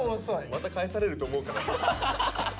また返されると思うから。